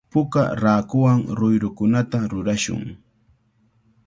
Puka raakuwan ruyrukunata rurashun.